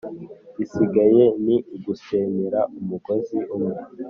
igisigaye, ni ugusenyera umugozi umwe